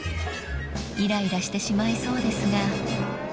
［いらいらしてしまいそうですが］